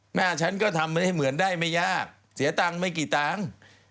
หน้าฉันก็ทำไม่ได้เหมือนได้ไม่ยากเสียตังค์ไม่กี่ตังค์